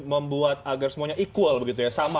membuat agar semuanya equal sama